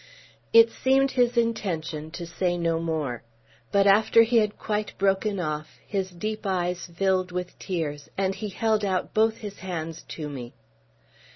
It seemed his intention to say no more. But, after he had quite broken off, his deep eyes filled with tears, and he held out both his hands to me.